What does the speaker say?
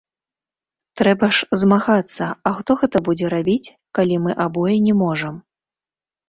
Трэба ж змагацца, а хто гэта будзе рабіць, калі мы абое не можам?